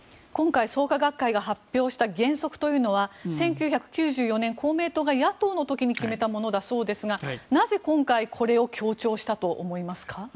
今回、創価学会が発表した原則というのは１９９４年に公明党が野党の時に決めたものだそうですがなぜ、今回これを強調したと思いますか？